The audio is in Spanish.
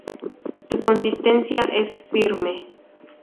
Su consistencia es firme.